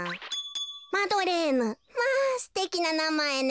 マドレーヌまあすてきななまえね。